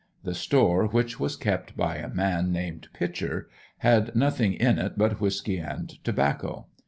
The store, which was kept by a man named Pitcher, had nothing in it but whisky and tobacco.